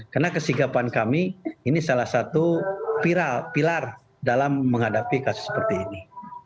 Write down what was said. karena kesinggapan kami ini salah satu pilar dalam menghadapi kasus seperti ini